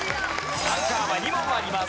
アンカーは２問あります。